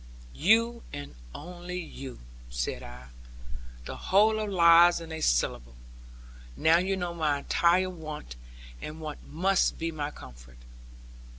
'You, and only you,' said I; 'the whole of it lies in a syllable. Now you know my entire want; and want must be my comfort.'